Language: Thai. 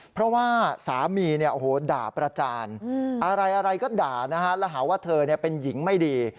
เพราะว่าสามีด่าประจานอะไรก็ด่านะฮะแล้วหาว่าเธอเป็นหญิงไม่ดี